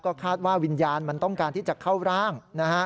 คาดว่าวิญญาณมันต้องการที่จะเข้าร่างนะฮะ